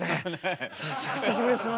久しぶりですね。